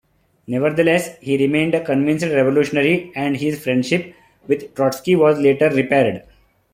Nevertheless he remained a convinced revolutionary and his friendship with Trotsky was later repaired.